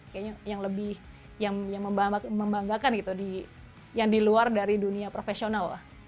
kayaknya yang lebih yang membanggakan gitu yang di luar dari dunia profesional lah